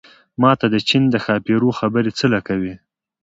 ما ته د چين د ښاپېرو خبرې څه له کوې